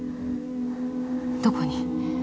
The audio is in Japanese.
どこに？